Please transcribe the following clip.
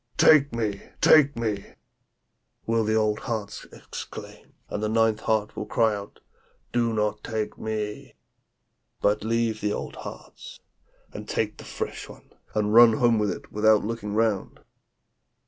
"Take me! take me!" will the eight old hearts exclaim; and the ninth heart will cry out, "Do not take me!" But leave the old hearts and take the fresh one, and run home with it without looking round.'